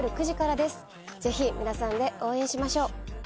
ぜひ皆さんで応援しましょう。